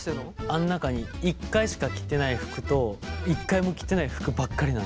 あん中に１回しか着てない服と１回も着てない服ばっかりなんだって。